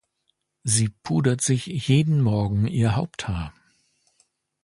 Sie pudert sich jeden Morgen ihr Haupthaar.